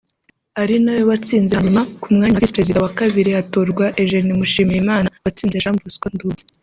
ari nawe watsinze hanyuma ku mwanya wa Visi Perezida wa Kabiri hatorwa Eugenie Mushimiyimana watsinze Jean Bosco Ndungutse